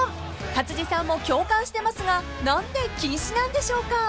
［勝地さんも共感してますが何で禁止なんでしょうか？］